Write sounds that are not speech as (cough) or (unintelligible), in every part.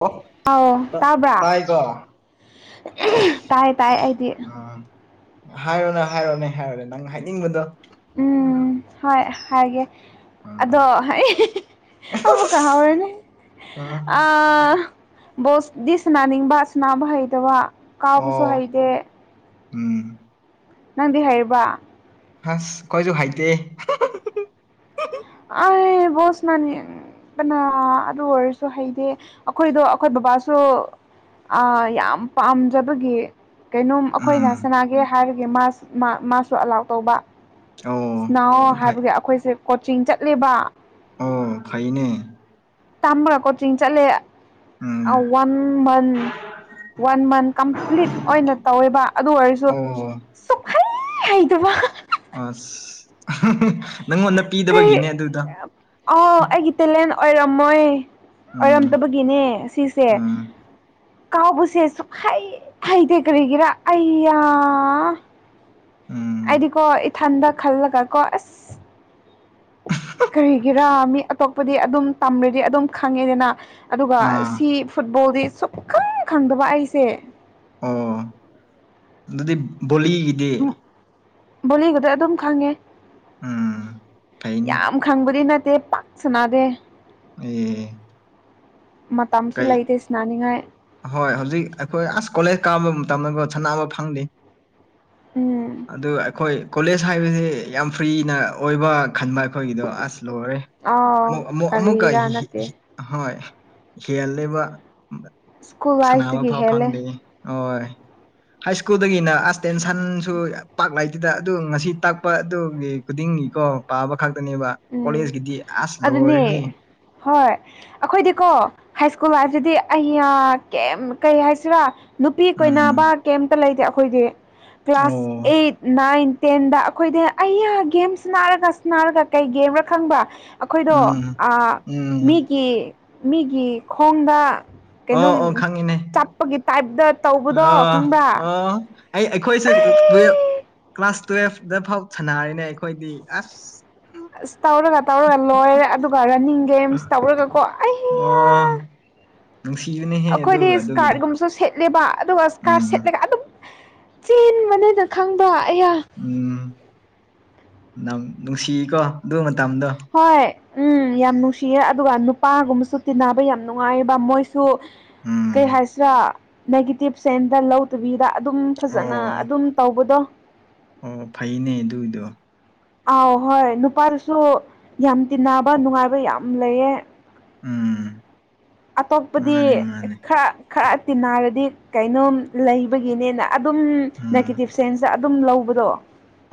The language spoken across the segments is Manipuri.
ꯑꯣ ꯑꯥꯎ ꯇ ꯇꯥꯕ꯭ꯔꯥ ꯇꯥꯏꯀꯣ ꯇꯥꯏ ꯇꯥꯏ ꯑꯩꯗꯤ ꯎꯝ ꯍꯥꯏꯔꯣꯅꯦ ꯍꯥꯏꯔꯣꯅꯦ ꯍꯥꯏꯔꯣꯅꯦ ꯅꯪ ꯍꯥꯏꯅꯤꯡꯕꯗꯣ ꯎꯝ ꯍꯣꯏ ꯍꯥꯏꯒꯦ ꯎꯝ ꯑꯗꯣ ꯍꯩ ꯍꯤ ꯍꯤ ꯑꯃꯨꯛꯀꯥ ꯍꯧꯔꯦꯅꯦ ꯑ ꯑꯥ ꯕꯣꯁꯗꯤ ꯁꯅꯥꯅꯤꯡꯕꯥ ꯁꯅꯥꯕ ꯍꯩꯇꯕ ꯀꯥꯎꯕꯁꯨ ꯑꯣ ꯍꯩꯇꯦ ꯎꯝ ꯅꯪꯗꯤ ꯍꯩꯔꯕ ꯍꯥꯁ ꯈꯣꯏꯖꯨ ꯍꯩꯇꯦ ꯑꯩ ꯕꯣꯜ ꯁꯅꯥꯅꯤꯡ ꯕꯅ ꯑꯗꯨ ꯑꯣꯏꯔꯁꯨ ꯍꯩꯗꯦ ꯑꯩꯈꯣꯏꯗꯣ ꯑꯩꯈꯣꯏ ꯕꯕꯥꯁꯨ ꯑꯥ ꯌꯥꯝ ꯄꯥꯝꯖꯕꯒꯤ ꯀꯩꯅꯣꯝ ꯑꯩꯈꯣꯏꯅ ꯎꯝ ꯁꯅꯥꯒꯦ ꯍꯥꯏꯔꯒꯦ ꯃꯥ ꯃꯥꯁꯨ ꯑꯂꯥꯎ ꯇꯧꯕ ꯑꯣ ꯅꯑꯣ ꯑꯗꯨ ꯐꯩ ꯍꯥꯏꯕꯒꯤ ꯑꯩꯈꯣꯏꯁꯦ ꯀꯣꯆꯤꯡ ꯆꯠꯂꯤꯕ ꯑꯣ ꯈꯩꯅꯦ ꯇꯝꯕ꯭ꯔꯥ ꯀꯣꯆꯤꯡ ꯆꯠꯂꯦ ꯎꯝ ꯑꯥꯎ one month one month complete ꯑꯣꯏꯅ ꯇꯧꯋꯦꯕ ꯑꯗꯨ ꯑꯣꯏꯔꯁꯨ ꯑꯣ ꯁꯨꯍꯩ ꯍꯩꯇꯕ ꯑꯁ ꯅꯪꯉꯣꯟꯗ ꯄꯤꯗꯕꯒꯤꯅꯦ ꯑꯗꯨꯗ ꯑꯥꯎ ꯑꯩꯒꯤ ꯇꯦꯂꯦꯟ ꯑꯣꯏꯔꯝꯃꯣꯏ ꯎꯝ ꯑꯣꯏꯔꯝꯗꯕꯒꯤꯅꯦ ꯑꯁꯤꯁꯦ ꯎꯝ ꯀꯥꯎꯕꯁꯦ ꯁꯨꯛꯍꯩ ꯍꯩꯇꯦ ꯀꯔꯤꯒꯤꯔꯥ ꯑꯩꯌꯥ ꯎꯝ ꯑꯩꯗꯤꯀꯣ ꯏꯊꯟꯗ ꯈꯜꯂꯒ ꯀꯣ ꯑꯁ ꯀꯔꯤꯒꯤꯔꯥ ꯃꯤ ꯑꯇꯣꯞꯄꯗꯤ ꯑꯗꯨꯝ ꯇꯝꯔꯗꯤ ꯑꯗꯨꯝ ꯈꯪꯉꯦꯗꯅ ꯑꯗꯨꯒ ꯑꯥ ꯁꯤ ꯐꯨꯠꯕꯣꯜꯗꯤ ꯁꯨꯛꯈꯪ ꯈꯪꯗꯕ ꯑꯩꯁꯦ ꯑꯣ ꯑꯗꯨꯗꯤ ꯕꯣꯜꯂꯤꯒꯤꯗꯤ ꯕꯣꯂꯤꯒꯗꯤ ꯑꯗꯨꯝ ꯈꯪꯉꯦ ꯎꯝ ꯐꯩꯅꯦ ꯌꯥꯝ ꯈꯪꯕꯗꯤ ꯅꯠꯇꯦ ꯄꯥꯛ ꯁꯅꯥꯗꯦ ꯎꯝ ꯃꯇꯝꯁꯨ ꯂꯩꯇꯦ ꯁꯅꯥꯅꯤꯡꯉꯥꯏ ꯍꯣꯏ ꯍꯧꯖꯤꯛ ꯑꯩꯈꯣꯏ ꯑꯁ ꯀꯣꯂꯦꯖ ꯀꯥꯕ ꯃꯇꯝꯗꯀꯣ ꯁꯥꯟꯅꯕ ꯐꯪꯗꯦ ꯎꯝ ꯑꯗꯨ ꯑꯩꯈꯣꯏ ꯀꯣꯂꯦꯖ ꯍꯥꯏꯕꯁꯤ ꯌꯥꯝ ꯐ꯭ꯔꯤꯅ ꯑꯣꯏꯕ ꯈꯟꯕ ꯑꯩꯈꯣꯏꯒꯤꯗꯣ ꯑꯁ ꯂꯣꯏꯔꯦ ꯑꯥꯎ ꯑꯃꯨꯛ ꯑꯃꯨꯛ ꯑꯃꯨꯛꯀꯥ ꯀꯔꯤꯔꯥ ꯍꯤ ꯍꯤ ꯅꯠꯇꯦ ꯍꯤ ꯍꯣꯏ ꯍꯦꯜꯂꯤꯕ ꯁ꯭ꯀꯨꯜ ꯁꯅꯥꯕ ꯂꯥꯏꯐꯇꯒꯤ ꯐꯥꯎ ꯍꯦꯜꯂꯦ ꯐꯪꯗꯦ ꯑꯣꯏ ꯍꯥꯏ ꯁ꯭ꯀꯨꯜꯗꯒꯤꯅ ꯑꯁ ꯇꯦꯟꯁꯟꯁꯨ ꯄꯥꯛ ꯂꯩ ꯑꯁꯤꯗ ꯑꯗꯨ ꯉꯁꯤ ꯇꯥꯛꯄ ꯑꯗꯨꯒꯤ ꯈꯨꯗꯤꯡꯒꯤꯀꯣ ꯄꯥꯕ ꯈꯛꯇꯅꯦꯕ ꯎꯝ ꯀꯣꯂꯦꯖ ꯒꯤꯗꯤ ꯑꯁ ꯂꯣꯏꯔꯦꯍꯦ ꯑꯗꯨꯅꯦ ꯍꯣꯏ ꯑꯈꯣꯏꯗꯤꯀꯣ ꯁ꯭ꯀꯨꯜ ꯂꯥꯏꯐꯁꯤꯗꯤ ꯑꯩꯌꯥ ꯀꯩꯝ ꯀꯩ ꯍꯥꯏꯁꯤꯔꯥ ꯅꯨꯄꯤ ꯎꯝ ꯀꯣꯏꯅꯕ ꯀꯦꯝꯇ ꯂꯩꯇꯦ ꯑꯈꯣꯏꯗꯤ ꯀ꯭ꯂꯥꯁ ꯑꯣ ꯑꯩꯠ ꯅꯥꯏꯟ ꯇꯦꯟꯗ ꯑꯈꯣꯏꯗꯤ ꯑꯩꯌꯥ ꯒꯦꯝ ꯁꯅꯥꯔꯒ ꯁꯅꯥꯔꯒ ꯀꯩ ꯒꯦꯝꯔ ꯈꯪꯕ ꯑꯈꯣꯏꯗꯣ ꯎꯝ ꯑꯥ ꯎꯝ ꯃꯤꯒꯤ ꯃꯤꯒꯤ ꯈꯣꯡꯗ ꯑꯣ ꯀꯩꯅꯣꯝ ꯑꯣ ꯈꯪꯉꯤꯅꯦ ꯆꯠꯄꯒꯤ ꯇꯥꯏꯞꯇ ꯇꯧꯕꯗꯣ ꯈꯪꯕ꯭ꯔꯥ ꯑꯣ ꯑꯩ ꯑꯩꯈꯣꯏꯁꯨ ꯇꯨ ꯇꯨꯌꯦꯜꯄ ꯀ꯭ꯂꯥꯁ ꯇꯨꯌꯦꯜꯐꯗ ꯐꯥꯎ ꯁꯥꯟꯅꯔꯤꯅꯦ ꯑꯩꯈꯣꯏꯗꯤ ꯑꯁ ꯑꯁ ꯇꯧꯔꯒ ꯇꯧꯔꯒ ꯂꯣꯏꯔꯦ ꯑꯗꯨꯒ ꯔꯟꯅꯤꯡ ꯒꯦꯝꯁ ꯇꯧꯔꯒ ꯀꯣ ꯑꯩꯌꯥ ꯑꯣ ꯅꯨꯡꯁꯤꯕꯅꯦꯍꯦ ꯑꯗꯨ ꯑꯈꯣꯏꯗꯤ ꯑꯗꯨꯒꯤꯗꯣ ꯏꯁꯀꯥꯔꯠꯒꯨꯝꯕꯁꯨ ꯁꯦꯠ ꯂꯦꯕ ꯑꯗꯨꯒ ꯏꯁꯀꯥꯔ ꯎꯝ ꯁꯦꯠꯂꯒ ꯑꯗꯨꯝ ꯆꯦꯟꯕꯅꯦꯅ ꯈꯪꯕ ꯑꯌꯥ ꯎꯝ ꯅꯝ ꯅꯨꯡꯁꯤꯀꯣ ꯑꯗꯨ ꯃꯇꯝꯗꯣ ꯍꯣꯏ ꯎꯝ ꯌꯥꯝ ꯅꯨꯡꯁꯤꯌꯦ ꯑꯗꯨꯒ ꯅꯨꯄꯥꯒꯨꯝꯕꯁꯨ ꯇꯤꯟꯅꯕ ꯌꯥꯝ ꯅꯨꯡꯉꯥꯏꯕ ꯃꯣꯏ ꯁꯨ ꯎꯝ ꯀꯩ ꯍꯥꯏꯁꯤꯔꯥ ꯅꯦꯒꯦꯇꯤꯞ ꯁꯦꯟꯗ ꯂꯧ ꯇꯨꯕꯤꯗ ꯑꯗꯨꯝ ꯐꯖꯅ ꯑꯣ ꯑꯗꯨꯝ ꯇꯧꯕꯗꯣ ꯑꯣ ꯐꯩꯅꯦ ꯑꯗꯨꯒꯤꯗꯣ ꯑꯥꯎ ꯍꯣꯏ ꯅꯨꯄꯥꯗꯨꯁꯨ ꯌꯥꯝ ꯇꯤꯟꯅꯕ ꯅꯨꯡꯉꯥꯏꯕ ꯌꯥꯝ ꯂꯩꯌꯦ ꯎꯝ ꯑꯇꯣꯞꯄꯗꯤ ꯃꯥꯅꯦ ꯃꯥꯅꯦ ꯈꯔ ꯈꯔ ꯇꯤꯟꯅꯔꯗꯤ ꯀꯩꯅꯣꯝ ꯂꯩꯕꯒꯤꯅꯦꯅ ꯑꯗꯨꯝ ꯎꯝ ꯅꯦꯒꯦꯇꯤꯞꯁ ꯆꯦꯟꯁ ꯑꯗꯨꯝ ꯂꯧꯕꯗꯣ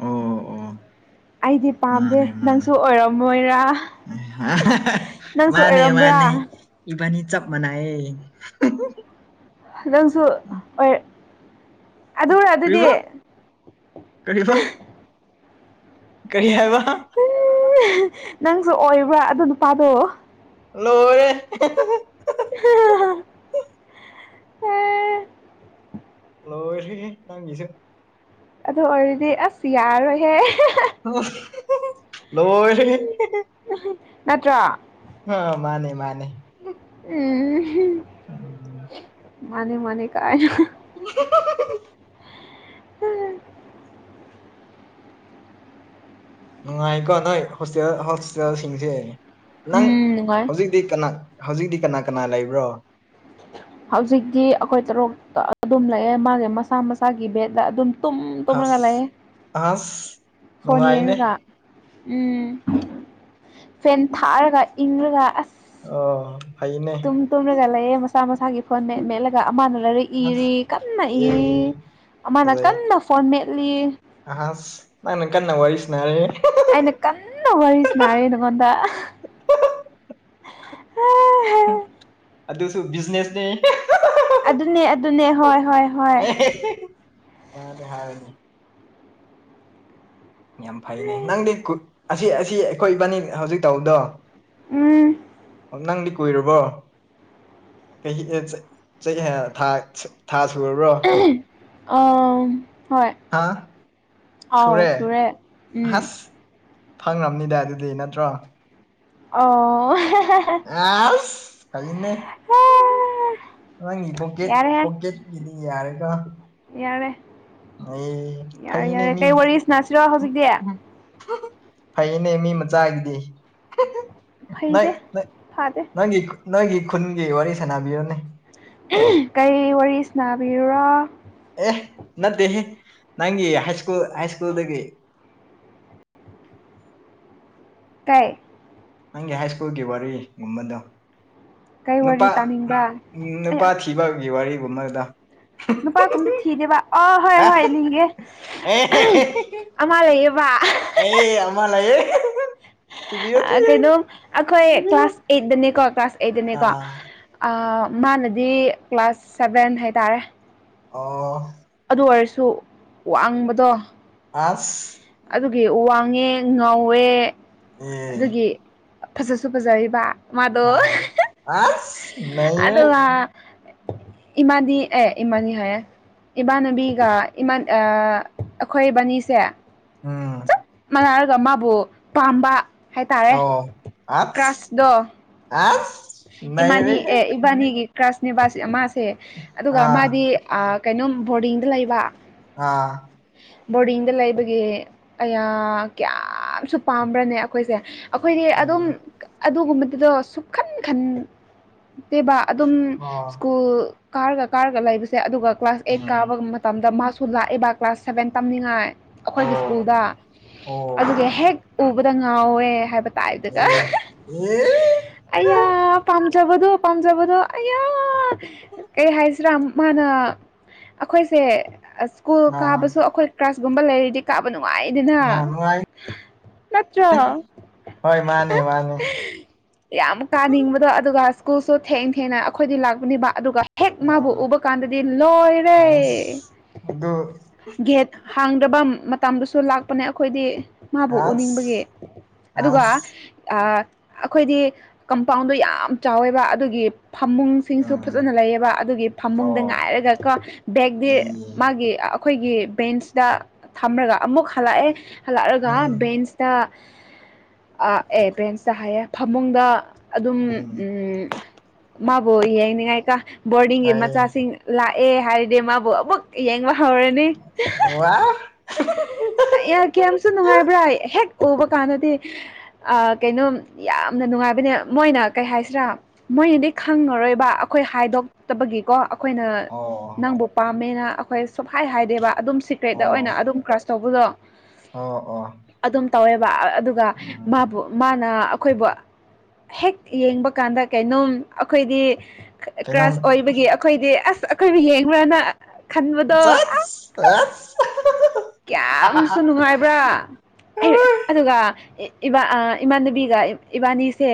ꯑꯣ ꯑꯣ ꯑꯩꯗꯤ ꯄꯥꯝꯗꯦ ꯅꯪꯁꯨ ꯑꯣꯏꯔꯝꯃꯣꯏꯔꯥ ꯑꯍꯥ ꯍꯥ ꯅꯪꯁꯨ ꯃꯥꯅꯦ ꯑꯣꯏꯔꯝꯕ꯭ꯔꯥ ꯃꯥꯅꯦ ꯏꯕꯥꯅꯤ ꯆꯞ ꯃꯥꯟꯅꯩꯌꯦ ꯍꯨꯡ ꯍꯨꯡ ꯅꯪꯁꯨ ꯑꯣꯏꯔ ꯑꯗꯨꯔ ꯑꯗꯨꯗꯤ ꯀꯔꯤꯕ ꯍꯥ ꯀꯔꯤꯕ ꯀꯔꯤ ꯍꯥꯏꯕ ꯍꯥ ꯎꯝ ꯍꯥ ꯅꯪꯁꯨ ꯑꯣꯏꯕ꯭ꯔꯥ ꯑꯗꯨ ꯅꯨꯄꯥꯗꯨ ꯂꯣꯏꯔꯦ ꯑꯍꯤ ꯍ ꯍ ꯂꯧꯁꯤꯟꯕ ꯉꯝꯗꯕ ꯂꯣꯏꯔ ꯅꯪꯒꯤꯁꯦ ꯑꯗꯨ ꯑꯣꯏꯔꯗꯤ ꯑꯁ ꯌꯥꯔꯣꯏꯍꯦ ꯂꯣꯏ ꯅꯠꯇ꯭ꯔꯣ ꯑ ꯃꯥꯅꯦ ꯃꯥꯅꯦ ꯎ ꯃꯥꯅꯤ ꯃꯥꯅꯤ ꯀꯥꯏ ꯍꯑꯍꯥꯍꯥ (inaudible) ꯎꯝ ꯅꯨꯡꯉꯥꯏꯀꯣ ꯅꯣꯏ ꯍꯣꯁꯇꯦꯜ ꯍꯣꯁꯇꯦꯜꯁꯤꯡꯁꯦ ꯅꯪ ꯎꯝ ꯅꯨꯡꯉꯥꯏ ꯍꯧꯖꯤꯛ ꯀꯅꯥ ꯍꯧꯖꯤꯛꯇꯤ ꯀꯅꯥ ꯀꯅꯥ ꯂꯩꯕ꯭ꯔꯣ ꯍꯧꯖꯤꯛꯇꯤ ꯑꯩꯈꯣꯏ ꯇꯔꯨ ꯑꯗꯨꯝ ꯂꯩꯑꯦ ꯃꯥꯁꯦ ꯃꯁꯥ ꯃꯁꯥꯒꯤ ꯕꯦꯗꯠꯇ ꯑꯗꯨꯝ ꯇꯨꯝ ꯇꯨꯝꯔꯒ ꯂꯩꯑꯦ ꯑꯁ ꯑꯁ ꯐꯣꯟ ꯅꯨꯡꯉꯥꯏꯅꯦ ꯌꯦꯡꯉꯒ ꯎꯝ ꯐꯦꯟ ꯊꯥꯔꯒ ꯏꯪꯔꯒ ꯑꯁ ꯑꯣ ꯐꯥꯏꯌꯦꯅꯦ ꯇꯨꯝꯂꯒ ꯂꯩꯑꯦ ꯃꯁꯆꯥ ꯃꯁꯥꯒꯤ ꯐꯣꯟ ꯃꯦꯠꯂꯒ ꯑꯃꯅ ꯂꯩꯔꯛ ꯑꯁ ꯏꯔꯤ ꯀꯟꯅ ꯏꯔꯤ ꯑꯦ ꯃꯥꯅ ꯐꯖꯩ ꯀꯟꯅ ꯐꯣꯟ ꯃꯦꯠꯂꯤ ꯑꯍꯁ ꯅꯪꯅ ꯀꯟꯅ ꯋꯥꯔꯤꯁꯤꯅꯔꯦ ꯑꯩꯅ ꯀꯟꯅ ꯋꯥꯔꯤꯁ ꯔꯦ ꯅꯉꯣꯟꯗ ꯎꯥ ꯑꯗꯨꯁꯨ ꯕꯤꯖꯤꯅꯦꯁꯅꯤ ꯑꯗꯨꯅꯦ ꯑꯗꯨꯅꯦ ꯍꯣꯏ ꯍꯣꯏ ꯍꯣꯏ ꯑꯦ ꯃꯥꯗ ꯍꯥꯔꯅꯥꯏ ꯌꯥꯝ ꯐꯩꯅꯦ ꯅꯪꯗꯤ ꯑꯁꯤ ꯑꯁꯤ ꯑꯩꯈꯣꯏ ꯏꯕꯥꯅꯤ ꯍꯧꯖꯤꯛ ꯇꯧꯕꯗꯣ ꯎꯝ ꯑꯣ ꯅꯪꯗꯤ ꯀꯨꯏꯔꯕꯣ ꯍ ꯊꯥ ꯁꯨꯔꯕ꯭ꯔꯣ ꯑ ꯍꯣꯏ ꯍꯥ ꯑꯥꯎ ꯁꯨꯔꯦ ꯎꯝ ꯐꯪꯈ꯭ꯔꯕꯅꯤꯗ ꯑꯗꯨꯗꯤ ꯅꯠꯇ꯭ꯔꯣ ꯑꯣ ꯑꯦ ꯀꯩꯅꯉꯤ ꯄꯣꯀꯦꯠ ꯌꯥꯔꯦꯍꯦ ꯄꯣꯀꯦꯠ ꯏꯗꯤ ꯌꯥꯔꯦꯀꯣ ꯌꯥꯔꯦ ꯑꯩ ꯌꯥꯔꯦ ꯐꯩꯅꯦ ꯌꯥꯔꯦ ꯃꯤ ꯀꯩ ꯋꯥꯔꯤ ꯁꯅꯁꯤꯔꯣ ꯍꯧꯖꯤꯛꯇꯤ ꯎꯝ, ꯐꯩꯅꯦ ꯃꯤ ꯃꯆꯥꯒꯤꯗꯤ ꯅꯣꯏ ꯐꯩꯗꯦ ꯐꯥꯗꯦ ꯅꯪꯒꯤ ꯅꯣꯏꯒꯤ ꯈꯨꯟꯒꯤ ꯋꯥꯔꯤ ꯁꯥꯟꯅꯕꯤꯔꯅꯦ ꯀꯩ ꯋꯥꯔꯤ ꯁꯅꯥꯕꯤꯔꯔꯣ ꯑꯦ ꯅꯠꯇꯦꯍꯦ ꯅꯪꯒꯤ ꯍꯥꯏꯁꯀꯨꯜ ꯍꯥꯏꯁꯀꯨꯜꯗꯒꯤ ꯀꯩ ꯅꯪꯒꯤ ꯍꯥꯏ ꯁ꯭ꯀꯨꯜꯒꯤ ꯋꯥꯔꯤꯒꯨꯝꯕꯗꯣ ꯀꯩ ꯅꯨꯄꯥ ꯋꯥꯔꯤ ꯇꯥꯅꯤꯡꯕ꯭ꯔꯥ ꯎꯝ ꯑꯩ ꯅꯨꯄꯥ ꯊꯤ ꯏꯤꯕꯧꯒꯤ ꯋꯥꯔꯤꯒꯨꯝꯕꯗ ꯅꯨꯄꯥꯒꯨꯝꯗ ꯊꯤꯗꯦꯕ ꯑꯣ ꯍꯣꯏ ꯍꯣꯏ ꯂꯤꯡꯒꯦ ꯑꯃ ꯂꯩꯌꯦꯕ ꯑꯦ ꯑꯃꯥꯌꯦ ꯀꯩꯅꯣ ꯑꯩꯈꯣꯏ ꯀ꯭ꯂꯥꯁ ꯑꯩꯠꯇꯅꯦꯀꯣ ꯀ꯭ꯂꯥꯁ ꯑꯩꯠꯇꯅꯦꯀꯣ ꯃꯥꯅꯗꯤ ꯀ꯭ꯂꯥꯁ ꯁꯕꯦꯟ ꯍꯥꯏꯇꯥꯔꯦ ꯑ ꯑꯗꯨ ꯑꯣꯏꯔꯁꯨ ꯋꯥꯡꯕꯗꯣ ꯑꯥꯁ ꯑꯗꯨꯒꯤ ꯋꯥꯡꯉꯦ ꯉꯧꯋꯦ ꯑꯗꯨꯒꯤ ꯐꯖꯁꯨ ꯐꯖꯌꯦꯕ ꯑꯥ ꯑꯁ ꯅꯩꯔꯦ ꯑꯥ ꯏꯃꯥꯗꯤ ꯑꯦ ꯏꯃꯥꯗꯤ ꯍꯥꯏꯌꯦ ꯏꯃꯥꯟꯅꯕꯤꯒ ꯏꯃꯥꯟ ꯑꯥ ꯑꯈꯣꯏ ꯕꯥꯅꯤꯁꯦ ꯎꯝ ꯃꯅꯥꯔꯒ ꯃꯥꯕꯨ ꯄꯥꯝꯕ ꯍꯥꯏꯇꯥꯔꯦ ꯀ꯭ꯔꯥꯁꯇꯣ ꯑꯁ ꯏꯃꯥꯅꯤ ꯑꯦ ꯏꯕꯥꯅꯤꯒꯤ ꯀ꯭ꯔꯥꯁꯅꯦꯕꯥ ꯃꯥꯁꯦ ꯑꯗꯨꯒ ꯃꯥꯗꯤ ꯑꯥ ꯀꯩꯅꯣꯝ ꯕꯣꯔꯗꯤꯡꯗ ꯂꯩꯕ ꯑꯥ ꯕꯣꯔꯗꯤꯡꯗ ꯂꯩꯕꯒꯤ ꯑꯌꯥ ꯀꯌꯥꯝꯁꯨ ꯄꯥꯝꯕ꯭ꯔꯅꯦ ꯑꯩꯈꯣꯏꯁꯦ ꯑꯩꯈꯣꯏꯗꯤ ꯑꯗꯨꯝ ꯑꯗꯨꯒꯨꯝꯕꯗꯨꯗꯣ ꯁꯨꯛꯈꯟ ꯈꯟ ꯇꯦꯕ ꯑꯗꯨꯝ ꯁ꯭ꯀꯨꯜ ꯀꯥꯔꯒ ꯀꯥꯔꯒ ꯂꯩꯕꯁꯦ ꯑꯗꯨꯒ ꯀ꯭ꯂꯥꯁ ꯑꯩꯠ ꯀꯥꯕ ꯃꯇꯝꯗ ꯃꯥꯁꯨ ꯂꯥꯛꯏꯕ ꯀ꯭ꯂꯥꯁ ꯁꯚꯦꯟ ꯇꯝꯅꯤꯡꯉꯥꯏ ꯑꯩꯈꯣꯏꯒꯤ ꯁ꯭ꯀꯨꯜꯗ ꯑꯗꯨꯒꯤ ꯍꯦꯛ ꯎꯕꯗ ꯉꯥꯎꯋꯦ ꯍꯥꯏꯕ (unintelligible) ꯍꯥ ꯑꯌꯥ ꯄꯥꯝꯖꯕꯗꯣ ꯄꯥꯝꯖꯕꯗꯣ ꯑꯌꯥ ꯀꯩ ꯍꯥꯏꯁꯤꯔꯥ ꯃꯥꯅ ꯑꯩꯈꯣꯏꯁꯦ ꯁ꯭ꯀꯨꯜ ꯀꯥꯕꯁꯨ ꯑꯩꯈꯣꯏ ꯀ꯭ꯂꯥꯁꯒꯨꯝꯕ ꯂꯩꯔꯗꯤ ꯀꯥꯕ ꯅꯨꯡꯉꯥꯏꯌꯦꯗꯅ ꯅꯠꯇ꯭ꯔꯣ ꯍꯣꯏ ꯃꯥꯅꯦ ꯃꯥꯅꯦ ꯌꯥꯝ ꯀꯥꯅꯤꯡꯕꯗꯣ ꯑꯗꯨꯒ ꯁ꯭ꯀꯨꯜꯁꯨ ꯊꯦꯡ ꯊꯦꯡꯅ ꯑꯩꯈꯣꯏꯗꯤ ꯂꯥꯛꯄꯅꯦꯕ ꯑꯗꯨꯒ ꯍꯦꯛ ꯃꯥꯕꯨ ꯎꯕ ꯀꯥꯟꯗꯗꯤ ꯂꯣꯏꯔꯦ ꯒꯦꯠ ꯍꯥꯡꯗꯕ ꯃꯇꯝꯗꯁꯨ ꯂꯥꯛꯄꯅꯦ ꯑꯩꯈꯣꯏꯗꯤ ꯃꯥꯕꯨ ꯎꯅꯤꯡꯕꯒꯤ ꯑꯗꯨꯒ ꯑꯥ ꯑꯩꯈꯣꯏꯗꯤ ꯀꯝꯄꯥꯎꯟꯗꯣ ꯌꯥꯝ ꯆꯥꯎꯋꯦꯕ ꯑꯗꯨꯒꯤ ꯐꯃꯨꯡꯁꯤꯡꯁꯨ ꯎꯝ ꯐꯖꯅ ꯂꯩꯌꯦꯕ ꯑꯗꯨꯒꯤ ꯐꯃꯨꯡꯗ ꯑꯣ ꯉꯥꯏꯔꯒꯀꯣ ꯕꯦꯛꯇꯤ ꯎꯝ ꯃꯥꯒꯤ ꯑꯩꯈꯣꯏꯒꯤ ꯕꯦꯟꯁꯇ ꯊꯝꯔꯒ ꯑꯃꯨꯛ ꯍꯜꯂꯛꯑꯦ ꯍꯜꯂꯛꯑꯒ ꯕꯦꯟꯁ ꯇ ꯑꯦ ꯕꯦꯟꯁꯇ ꯍꯥꯏꯌꯦ ꯐꯃꯨꯡꯗ ꯑꯗꯨꯝ ꯎꯝ ꯃꯥꯕꯨ ꯌꯦꯡꯅꯤꯡꯉꯥꯏꯀ ꯕꯣꯔꯗꯤꯡꯒꯤ ꯑꯩ ꯃꯆꯥꯁꯤꯡ ꯂꯥꯛꯑꯦ ꯍꯥꯏꯔꯗꯤ ꯃꯥꯕꯨ ꯑꯃꯨꯛ ꯌꯦꯡꯕ ꯍꯧꯔꯅꯤ ꯑꯣ (unintelligible) ꯑꯌꯥ ꯀꯌꯥꯝꯁꯨ ꯅꯨꯡꯉꯥꯏꯕ꯭ꯔꯥ ꯍꯦꯛ ꯎꯕ ꯀꯥꯟꯗꯗꯤ ꯑꯁ ꯀꯩꯅꯣꯝ ꯌꯥꯝꯅ ꯅꯨꯡꯉꯥꯏꯕꯅꯦ ꯃꯣꯏꯅ ꯀꯩ ꯍꯥꯏꯁꯤꯔꯥ ꯃꯣꯏꯅꯗꯤ ꯈꯪꯉꯔꯣꯏꯕ ꯑꯩꯈꯣꯏ ꯍꯥꯏꯗꯣꯛꯇꯕꯒꯤꯀꯣ ꯑꯩꯈꯣꯏꯅ ꯑꯣ ꯅꯪꯕꯨ ꯄꯥꯝꯃꯦꯅ ꯑꯩꯈꯣꯏ ꯁꯨꯛꯍꯥꯏ ꯍꯥꯏꯗꯦꯕ ꯑꯗꯨꯝ ꯁꯤꯀ꯭ꯔꯦꯠꯇ ꯑꯣꯏꯅ ꯑꯣ ꯑꯗꯨꯝ ꯀ꯭ꯔꯁ ꯇꯧꯕꯗꯣ ꯑꯣ ꯑꯣ ꯑꯗꯨꯝ ꯇꯧꯋꯦꯕ ꯑꯗꯨꯒ ꯎꯝ ꯃꯥꯕꯨ ꯃꯥꯅ ꯑꯩꯈꯣꯏꯕꯨ ꯍꯦꯛ ꯌꯦꯡꯕ ꯀꯥꯟꯗ ꯀꯩꯅꯣꯝ ꯑꯩꯈꯣꯏꯗꯤ ꯀꯩꯅꯣꯝ ꯀ꯭ꯔꯥꯁ ꯑꯣꯏꯕꯒꯤ ꯑꯈꯣꯏꯗꯤ ꯑꯁ ꯑꯈꯣꯏꯕꯨ ꯌꯦꯡꯕ꯭ꯔꯅ ꯈꯟꯕꯗꯣ ꯑꯁ ꯆꯠ ꯀꯌꯥꯝꯁꯨ ꯅꯨꯡꯉꯥꯏꯕ꯭ꯔꯥ ꯑꯩ ꯑꯗꯨꯒ ꯏ ꯏꯃꯥꯟꯅꯕꯤꯒ ꯏꯕꯥꯅꯤꯁꯦ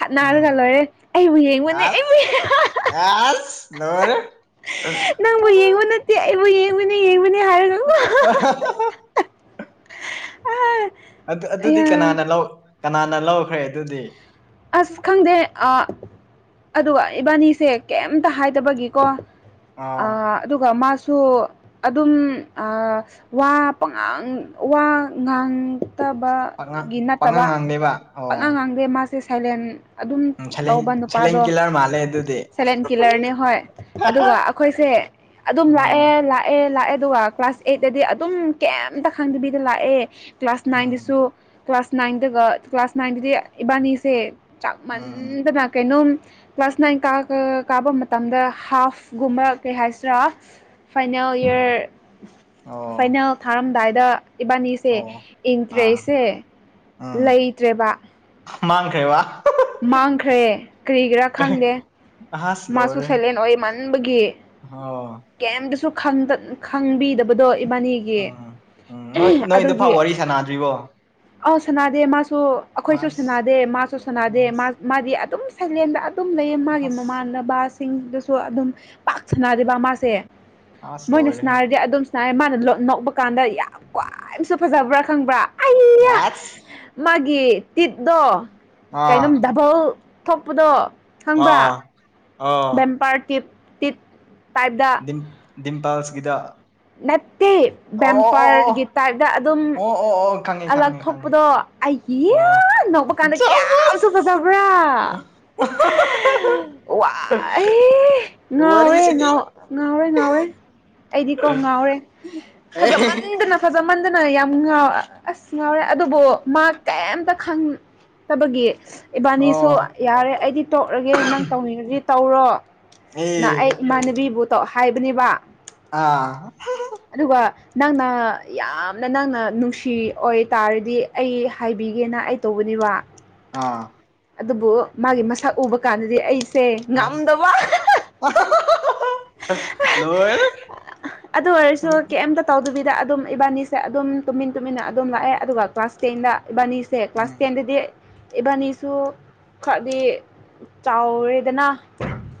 ꯈꯠꯅꯔꯒ ꯎꯝ ꯂꯣꯏꯔꯦ ꯑꯩꯕꯨ ꯌꯦꯡꯕꯅꯦ ꯑꯩꯕꯨ ꯑꯁ ꯑꯁ ꯂꯣꯏꯔꯦ ꯅꯪꯕꯨ ꯌꯦꯡꯕ ꯅꯠꯇꯦ ꯑꯩꯕꯨ ꯌꯦꯡꯉꯨꯅꯦ ꯌꯦꯡꯕꯅꯦ ꯍꯥꯏꯔꯒ ꯑꯍꯥ ꯍꯥ ꯑꯗꯨ ꯑꯗꯨꯗꯤ ꯑꯌꯥ ꯀꯅꯥꯅ ꯂꯧ ꯀꯅꯥꯅ ꯂꯧꯈ꯭ꯔꯦ ꯑꯗꯨꯗꯤ ꯑꯁ ꯈꯪꯗꯦ ꯑꯥ ꯑꯗꯨꯒ ꯏꯕꯥꯅꯤꯁꯦ ꯀꯩꯝꯇ ꯍꯥꯏꯗꯕꯒꯤꯀꯣ ꯑ ꯑꯥ ꯑꯗꯨꯒ ꯃꯥꯁꯨ ꯑꯗꯨꯝ ꯑꯥ ꯋꯥ ꯄꯉꯥꯡ ꯋꯥ ꯉꯥꯡ ꯐꯠꯇꯕ ꯄꯥꯉꯥꯡ ꯒꯤ ꯅꯠꯇꯕ ꯄꯥꯉꯥꯡ ꯉꯥꯡꯗꯦꯕ ꯑꯣ ꯄꯥꯉꯥꯡ ꯉꯥꯡꯗꯦ ꯃꯥꯁꯦ ꯁꯥꯏꯂꯦꯟ ꯑꯗꯨꯝ ꯎꯝ ꯁꯂꯦꯟ ꯇꯧꯕ ꯅꯨꯄꯥ ꯁꯂꯦꯟ ꯗꯣ ꯀꯤꯂꯔ ꯃꯥꯜꯂꯦ ꯑꯗꯨꯗꯤ ꯁꯥꯏꯂꯦꯟ ꯀꯤꯂꯔꯅꯦ ꯍꯣꯏ ꯑꯗꯨꯒ ꯑꯩꯈꯣꯏꯁꯦ ꯑꯗꯨꯝ ꯑ ꯂꯥꯛꯑꯦ ꯂꯥꯛ ꯂꯥꯛꯑꯦ ꯂꯥꯛꯑꯦ ꯑꯗꯨꯒ ꯀ꯭ꯂꯥꯁ ꯑꯩꯠꯇꯗꯤ ꯑꯗꯨꯝ ꯀꯩꯝꯇ ꯈꯪꯗꯕꯤꯗ ꯂꯥꯛꯑꯦ ꯀ꯭ꯂꯥꯁ ꯎꯝ ꯅꯥꯏꯟꯗꯁꯨ ꯀ꯭ꯂꯥꯁ ꯅꯥꯏꯟꯗꯒ ꯀ꯭ꯂꯥꯁ ꯅꯥꯏꯟꯗꯗꯤ ꯏꯕꯥꯅꯤꯁꯦ ꯎꯝ ꯆꯥꯛꯃꯟꯗꯅꯥ ꯀꯩꯅꯣꯝ ꯀ꯭ꯂꯥꯁ ꯅꯥꯏꯟ ꯀ ꯀꯥꯕ ꯃꯇꯝꯗ ꯍꯥꯞꯒꯨꯝꯕ ꯀꯩ ꯍꯥꯏꯁꯤꯔꯥ ꯐꯥꯏꯅꯦꯜ ꯏꯌꯔ ꯑꯣ ꯐꯥꯏꯅꯦꯜ ꯊꯥꯔꯝꯗꯥꯏꯗ ꯏꯕꯥꯅꯤꯁꯦ ꯑꯣ ꯑꯥ ꯏꯟꯇ꯭ꯔꯦꯁꯁꯦ ꯂꯩꯇ꯭ꯔꯦꯕ ꯃꯥꯥꯡꯈꯔ꯭ꯦꯕꯥ ꯃꯥꯡꯈ꯭ꯔꯦ ꯀꯔꯤꯒꯤꯔꯥ ꯈꯪꯗꯦ ꯑꯁ ꯃꯥꯁꯨ ꯂꯣꯏꯔꯦ ꯁꯥꯏꯂꯦꯟ ꯑꯣꯏꯃꯟꯕꯒꯤ ꯑꯣ ꯀꯦꯝꯇꯁꯨ ꯈꯪꯕꯤꯗꯕꯗꯣ ꯏꯕꯥꯅꯤꯒꯤ ꯒꯤ ꯎꯝ ꯎꯝ ꯅꯣꯏ ꯅꯣꯏꯗ ꯑꯗꯨꯒꯤ ꯐꯥꯎ ꯋꯥꯔꯤ ꯁꯥꯟꯅꯗ꯭ꯔꯤꯕꯣ ꯑꯧ ꯁꯅꯥꯗꯦ ꯃꯥꯁꯨ ꯑꯩꯈꯣꯏꯁꯨ ꯑꯁ ꯁꯅꯥꯗꯦ ꯃꯥꯁꯨ ꯁꯅꯥꯗꯦ ꯑꯁ ꯃꯥꯗꯤ ꯑꯗꯨꯝ ꯁꯩꯂꯦꯟꯗ ꯑꯗꯨꯝ ꯂꯩꯌꯦ ꯃꯥꯒꯤ ꯑꯁ ꯃꯃꯥꯟꯅꯕ ꯁꯤꯡꯗꯨꯁꯨ ꯑꯗꯨꯝ ꯄꯥꯛ ꯁꯅꯗꯦꯕ ꯃꯥꯁꯦ ꯑꯁ ꯃꯣꯏꯅ ꯂꯣꯏꯔꯦꯍꯦ ꯁꯅꯥꯔꯗꯤ ꯑꯗꯨꯝ ꯁꯥꯏ ꯃꯥꯅ ꯂꯣ ꯅꯣꯛꯄ ꯀꯥꯟꯗ ꯌꯥꯝ ꯈ꯭ꯋꯥꯏꯝꯁꯨ ꯐꯖꯕ꯭ꯔꯥ ꯈꯪꯕ꯭ꯔꯥ ꯑꯩ ꯑꯁ ꯃꯥꯒꯤ ꯇꯤꯠꯇꯣ ꯑꯥ ꯀꯩꯅꯣꯝ ꯗꯕꯜ ꯊꯣꯛꯄꯗꯣ ꯈꯪꯕ꯭ꯔꯥ ꯑꯥ ꯑꯥ ꯕꯦꯝꯄꯔ ꯇꯤꯞ ꯇꯤꯞ ꯇꯥꯏꯞ ꯗ ꯏꯝꯄꯥꯜꯁꯤꯗ ꯅꯠꯇꯦ ꯕꯦꯝꯄꯔꯒꯤ ꯇꯥꯏꯞꯇ ꯑꯗꯨꯝ ꯑꯣ ꯑꯣ ꯑꯣ ꯈꯪꯉꯦ ꯑꯂꯛ ꯈꯪꯉꯦ ꯈꯪꯉꯦ ꯊꯣꯛꯄꯗꯣ ꯑꯩꯒꯤ ꯑꯣ ꯅꯣꯛꯄ ꯀꯥꯟꯗ ꯀꯌꯥꯁꯨ ꯖꯕꯁ ꯐꯖꯕ꯭ꯔꯥ ꯋꯥꯏ ꯉꯥꯎꯋꯦ ꯋꯥꯔꯤꯁꯤꯗꯤ ꯉꯥꯎ ꯉꯥꯎꯔꯦ ꯉꯥꯎꯔꯦ ꯑꯩꯗꯤ ꯀꯣ ꯉꯥꯎꯔꯦ ꯑꯦ ꯐꯖꯃꯟꯗꯅ ꯐꯖꯃꯟꯗꯅ ꯌꯥꯝ ꯉꯥꯎ ꯑꯁ ꯉꯥꯎꯔꯦ ꯑꯗꯨꯕꯨ ꯃꯥ ꯀꯩꯝꯇ ꯈꯪꯗꯕꯒꯤ ꯏꯕꯥꯅꯤꯁꯨ ꯑꯣ ꯌꯥꯔꯦ ꯑꯩꯗꯤ ꯇꯣꯛꯔꯒꯦ ꯅꯪ ꯇꯧꯅꯤꯡꯉꯗꯤ ꯇꯧꯔꯣ ꯑꯦ ꯅ ꯑꯩ ꯏꯃꯥꯟꯅꯕꯤꯕꯨ ꯇꯣ ꯍꯥꯏꯕꯅꯦꯕ ꯑꯥ ꯍꯨꯝ ꯍꯨꯝ ꯑꯗꯨꯒ ꯅꯪꯅ ꯌꯥꯝꯅ ꯅꯪꯅ ꯅꯨꯡꯁꯤ ꯑꯣꯏ ꯇꯥꯔꯗꯤ ꯑꯩ ꯍꯥꯏꯕꯤꯒꯦꯅ ꯑꯩ ꯇꯧꯕꯅꯦꯕ ꯑꯥ ꯑꯗꯨꯕꯨ ꯃꯥꯒꯤ ꯃꯁꯛ ꯎꯕꯗ ꯑꯁ ꯉꯝꯗꯕ ꯑꯍꯥ ꯂꯣꯏꯔꯦ ꯑꯗꯨ ꯑꯣꯢꯔꯁꯨ ꯎꯝ ꯀꯦꯝ ꯇꯧꯗꯕꯤꯗ ꯑꯗꯨꯝ ꯏꯕꯥꯅꯤꯁꯦ ꯑꯗꯨꯝ ꯇꯨꯃꯤꯟ ꯇꯨꯃꯤꯟꯅ ꯑꯗꯨꯝ ꯂꯥꯛꯑꯦ ꯑꯗꯨꯒ ꯀ꯭ꯂꯥꯁ ꯇꯦꯟꯗ ꯏꯕꯥꯅꯤ ꯁꯦ ꯀ꯭ꯂꯥꯁ ꯇꯦꯟꯗꯗꯤ ꯏꯕꯥꯅꯤꯁꯨ ꯈꯔꯗꯤ ꯆꯥꯎꯔꯦꯗꯅ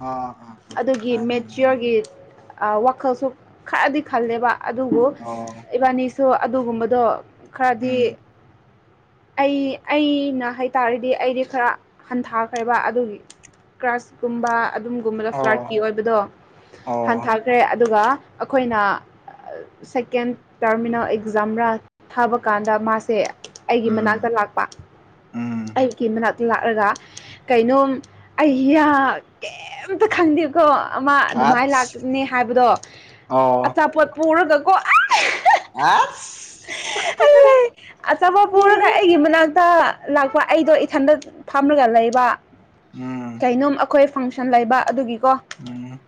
ꯑꯥ ꯑꯥ ꯑꯥ ꯃꯥꯅꯦ ꯃꯥꯅꯦ ꯑꯥ ꯋꯥꯈꯜꯁꯨ ꯈꯔꯗꯤ ꯈꯜꯂꯦꯕ ꯑꯣ ꯎꯝ ꯈꯔꯥꯗꯤ ꯑꯩ ꯑꯩꯅ ꯍꯥꯏꯇꯥꯔꯗꯤ ꯑꯩꯗꯤ ꯈꯔ ꯍꯟꯊꯈ꯭ꯔꯦꯕ ꯑꯗꯨꯒꯤ ꯀ꯭ꯔꯥꯁ ꯀꯨꯝꯕ ꯑꯗꯨꯝ ꯒꯨꯝꯕꯗ ꯐ꯭ꯂꯥꯠꯀꯤ ꯑꯣ ꯑꯣꯏꯕꯗꯣ ꯑꯣ ꯍꯟꯊꯈ꯭ꯔꯦ ꯑꯗꯨꯒ ꯑꯈꯣꯏꯅ ꯁꯦꯀꯦꯟ ꯇꯔꯃꯤꯅꯦꯜ ꯑꯦꯛꯖꯥꯝꯔꯥ ꯊꯥꯕ ꯀꯥꯟꯗ ꯃꯥꯁꯦ ꯑꯩꯒꯤ ꯃꯅꯥꯛꯇ ꯎꯝ ꯂꯥꯛꯄ ꯎꯝ ꯑꯩꯒꯤ ꯃꯅꯥꯛꯇ ꯂꯥꯛꯔꯥꯒ ꯀꯩꯅꯣꯝ ꯑꯩꯌꯥ ꯀꯩꯝꯇ ꯈꯪꯗꯦꯕ ꯊꯣ ꯑꯃ ꯑꯗꯨꯃꯥꯏ ꯑꯁ ꯂꯥꯛꯀꯅꯤ ꯍꯥꯏꯕꯗꯣ ꯑꯣ ꯑꯆꯥꯄꯣꯠ ꯄꯨꯔꯒ ꯀꯣ ꯑꯥ ꯍꯥ (unintelligible) ꯑꯦ ꯑꯆꯥꯄꯣ ꯄꯨꯔꯒ ꯂꯣꯏꯔꯦ ꯑꯩꯒꯤ ꯃꯅꯥꯛꯇ ꯂꯥꯛꯄ ꯑꯩꯗꯣ ꯏꯊꯟꯗ ꯐꯝꯃꯒ ꯂꯩꯕ ꯎꯝ ꯀꯩꯅꯣꯝ ꯑꯈꯣꯏ ꯐꯪꯁꯟ ꯂꯩꯕ ꯑꯗꯨꯒꯤꯀꯣ ꯎꯝ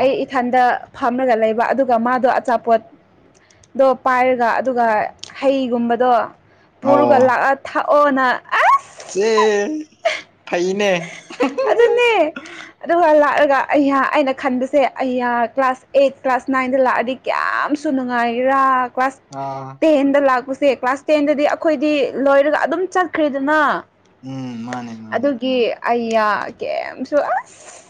ꯑꯩ ꯏꯊꯟꯗ ꯐꯝꯂꯒ ꯂꯩꯕ ꯑꯗꯨꯒ ꯃꯥꯗꯣ ꯑꯆꯥꯄꯣꯠꯗꯣ ꯄꯥꯏꯔꯒ ꯑꯗꯨꯒ ꯍꯩꯒꯨꯝꯕꯗꯣ ꯄꯨꯔꯒ ꯑꯣ ꯂꯥꯛꯑ ꯊꯥꯛꯑꯣꯅ ꯑꯁ ꯆꯦ ꯐꯩꯅꯦ ꯑꯗꯨꯅꯦ ꯑꯗꯨꯒ ꯂꯥꯛꯑꯒ ꯑꯩ ꯑꯩꯅ ꯈꯟꯕꯁꯦ ꯑꯩ ꯀ꯭ꯂꯥꯁ ꯑꯩꯠ ꯀ꯭ꯂꯥꯁ ꯅꯥꯏꯟꯗ ꯂꯥꯛꯑꯗꯤ ꯌꯥꯝꯁꯨ ꯅꯨꯡꯉꯥꯏꯔꯥ ꯀ꯭ꯂꯥꯁ ꯑ (unintelligible) ꯇꯦꯟꯗ ꯂꯥꯛꯄꯁꯦ ꯀ꯭ꯂꯥꯁ ꯇꯦꯟꯗꯗꯤ ꯑꯩꯈꯣꯏꯗꯤ ꯂꯣꯏꯔꯒ ꯑꯗꯨꯝ ꯆꯠꯈ꯭ꯔꯦꯗꯅ ꯎꯝ ꯃꯥꯅꯦ ꯃꯥꯅꯦ ꯑꯗꯨꯒꯤ ꯑꯩꯌꯥ ꯀꯦꯝꯁꯨ ꯑꯁ